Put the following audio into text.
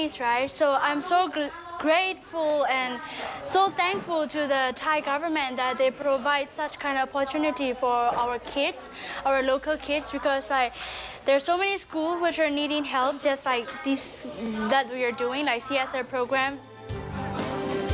ที่เราทำบางโบสถ์ฯ